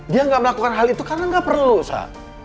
dia enggak melakukan hal itu karena enggak perlu sa